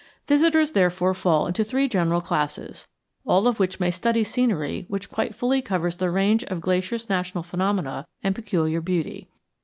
Visitors, therefore, fall into three general classes, all of whom may study scenery which quite fully covers the range of Glacier's natural phenomena and peculiar beauty.